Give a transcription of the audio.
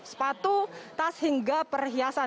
itu tas hingga perhiasan